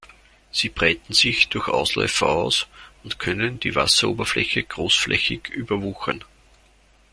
Sie breiten sich durch Ausläufer aus und können die Wasseroberfläche großflächig überwuchern.